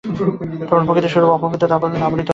তোমার প্রকৃত স্বরূপ অপবিত্রতার আবরণে আবৃত রহিয়াছে।